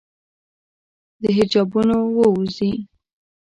د حجابونو ووزي